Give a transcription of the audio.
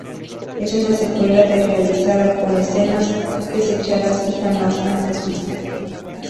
Es una secuela de realizada con escenas desechadas y jamás antes vistas.